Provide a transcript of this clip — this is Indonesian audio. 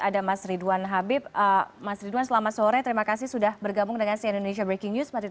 ada mas ridwan habib mas ridwan selamat sore terima kasih sudah bergabung dengan si indonesia breaking news